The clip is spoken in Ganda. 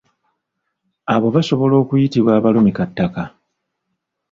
Abo basobola okuyitibwa abalumikattaka.